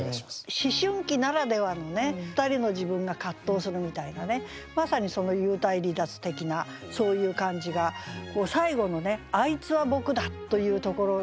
思春期ならではのね２人の自分が葛藤するみたいなねまさにその幽体離脱的なそういう感じが最後の「あいつは僕だ」というところでピシャッとこれで決まってますよね。